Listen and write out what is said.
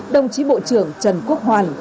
đồng chí bộ trưởng trần quốc hoàn